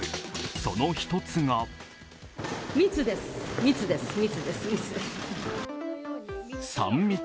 その１つが３密。